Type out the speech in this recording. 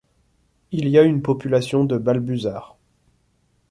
Il y a une population de balbuzards.